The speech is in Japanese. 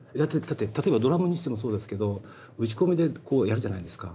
例えばドラムにしてもそうですけど打ち込みでやるじゃないですか。